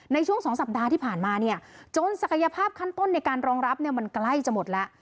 ในช่วง๒สัปดาห์ที่ผ่านมาเนี่ยจนศักยภาพขั้นต้นในการรองรับเนี่ยมันใกล้จะหมดแล้ว